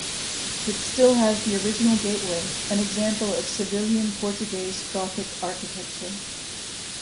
It still has the original gateway, an example of Sevillian-Portuguese Gothic architecture.